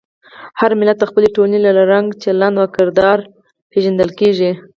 هر ملت د خپلې ټولنې له رنګ، چلند او کردار پېژندل کېږي.